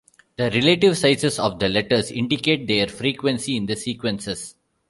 The relative sizes of the letters indicate their frequency in the sequences.